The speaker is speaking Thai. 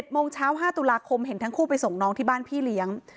โมงเช้า๕ตุลาคมเห็นทั้งคู่ไปส่งน้องที่บ้านพี่เลี้ยง